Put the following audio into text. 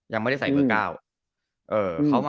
ยังไม่ได้ใส่เบอร์๙